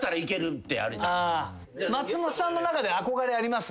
松本さんの中で憧れあります？